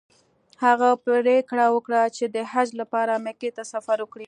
هغه پریکړه وکړه چې د حج لپاره مکې ته سفر وکړي.